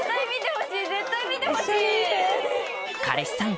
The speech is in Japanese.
彼氏さん